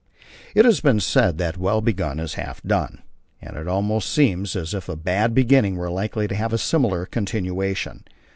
It is said that "well begun is half done," and it almost seems as if a bad beginning were likely to have a similar continuation.